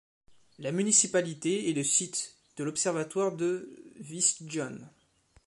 La municipalité est le site de l'observatoire de Višnjan.